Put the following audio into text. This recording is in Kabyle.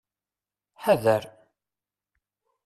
Ḥader!